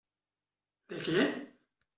De què?